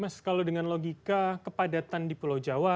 mas kalau dengan logika kepadatan di pulau jawa